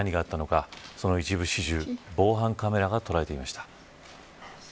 その一部始終、防犯カメラが捉えていました。